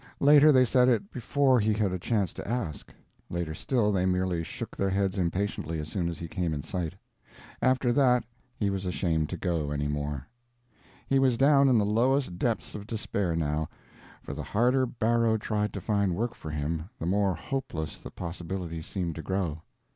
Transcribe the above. Later, they said it before he had a chance to ask. Later still they merely shook their heads impatiently as soon as he came in sight. After that he was ashamed to go any more. He was down in the lowest depths of despair, now; for the harder Barrow tried to find work for him the more hopeless the possibilities seemed to grow.